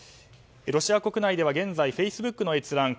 ロシア国内では現在フェイスブックの閲覧